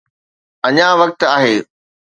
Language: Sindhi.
اڃا وقت آهي.